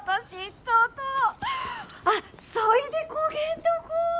とうとあっそいでこげんとこ？